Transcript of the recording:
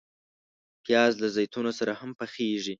پیاز له زیتونو سره هم پخیږي